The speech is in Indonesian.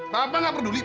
papa gak peduli